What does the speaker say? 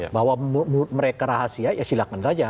bahwa mereka rahasia ya silakan saja